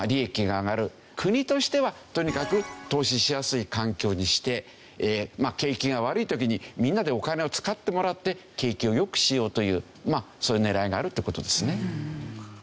国としてはとにかく投資しやすい環境にして景気が悪い時にみんなでお金を使ってもらって景気を良くしようというそういう狙いがあるって事ですね。